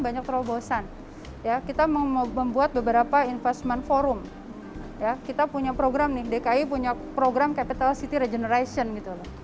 beberapa investment forum ya kita punya program nih dki punya program capital city regeneration gitu